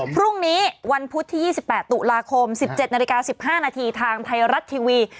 พรุ่งนี้วันพุธที่๒๘ตุลาคม๑๗น๑๕นทางไทยรัตน์ทีวี